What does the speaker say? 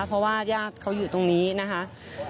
เพราะว่าญาติเขาอยู่ตรงนี้นะคะ